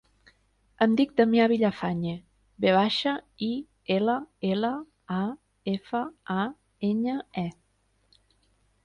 Em dic Damià Villafañe: ve baixa, i, ela, ela, a, efa, a, enya, e.